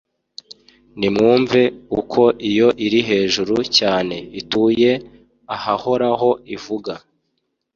“Nimwumve uko Iyo iri hejuru cyane, ituye ahahoraho ivuga,